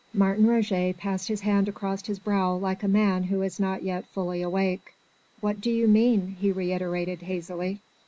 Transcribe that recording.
Martin Roget passed his hand across his brow like a man who is not yet fully awake. "What do you mean?" he reiterated hazily.